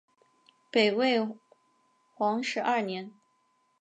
北魏皇始二年。